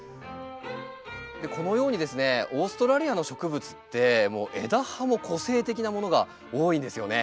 このようにですねオーストラリアの植物ってもう枝葉も個性的なものが多いんですよね。